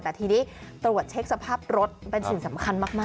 แต่ทีนี้ตรวจเช็คสภาพรถเป็นสิ่งสำคัญมาก